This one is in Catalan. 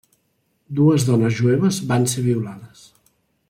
Dues dones jueves van ser violades.